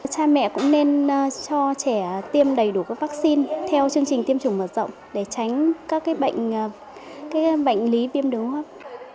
cha mẹ cũng nên cho trẻ tiêm đầy đủ các vaccine theo chương trình tiêm chủng mở rộng để tránh các bệnh lý viêm đường hô hấp